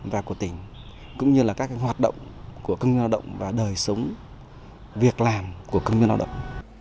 và của tỉnh cũng như là các hoạt động của công nhân lao động và đời sống việc làm của công nhân lao động